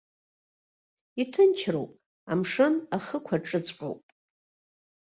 Иҭынчроуп, амшын ахықәаҿыҵәҟьоуп.